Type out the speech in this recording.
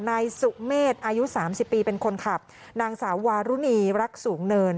นายสุเมษอายุสามสิบปีเป็นคนขับนางสาววารุณีรักสูงเนิน